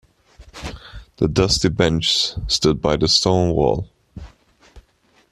The dusty bench stood by the stone wall.